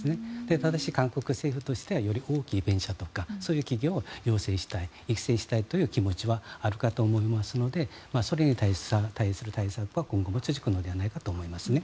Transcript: ただ、韓国政府としては大きいベンチャーとかそういう企業を養成したい育成したいという思いはあると思いますのでそれに対する対策は今後も続くんじゃないかと思います。